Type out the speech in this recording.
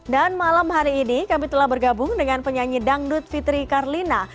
dan malam hari ini kami telah bergabung dengan penyanyi dangdut fitri karlina